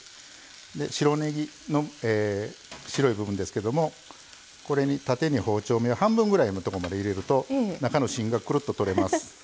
白ねぎの白い部分ですけどもこれに縦に包丁半分ぐらいのとこまで入れると中の芯がくるっと取れます。